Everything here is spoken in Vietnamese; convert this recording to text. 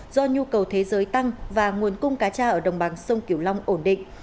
do nhu cầu thế giới tăng và nguồn cung cà cha ở đồng bằng sông kiều long ổn định